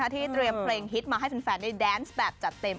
ที่เตรียมเพลงฮิตมาให้แฟนได้แดนส์แบบจัดเต็ม